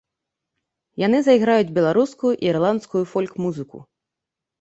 Яны зайграюць беларускую і ірландскую фольк-музыку.